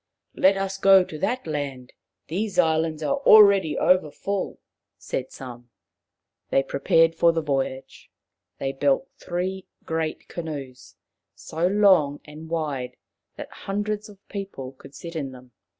" Let us go to that land. These islands are already overfull/' said some. They prepared for the voyage. They built three great canoes, so long and wide that hundreds of people could sit in them.